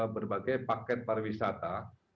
berbagai paket para wisata